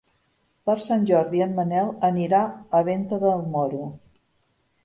Per Sant Jordi en Manel anirà a Venta del Moro.